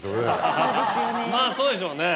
まぁそうでしょうね。